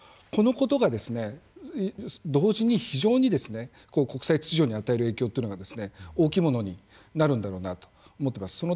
このことが同時に非常に国際秩序に与える影響が大きいものになるんだろうなと思っています。